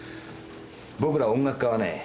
僕ら音楽家はね